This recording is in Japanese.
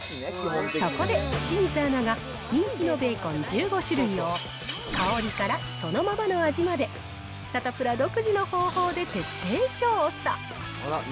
そこで、清水アナが人気のベーコン１５種類を香りからそのままの味まで、サタプラ独自の方法で徹底調査。